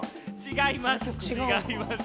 違います。